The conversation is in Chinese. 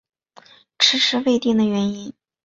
迟迟未定的原因